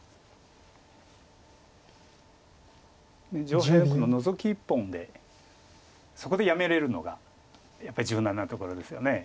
上辺ノゾキ１本でそこでやめれるのがやっぱり柔軟なところですよね。